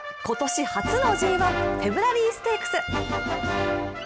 今年初のＧⅠ、フェブラリーステークス。